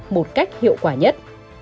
một cách hiệu quả nhất